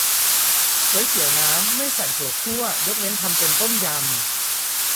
ก๋วยเตี๋ยวน้ำ ไม่ใส่ถั่วคั่ว ยกเว้นทำเป็นต้มยำ